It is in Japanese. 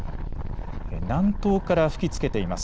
南東から吹きつけています。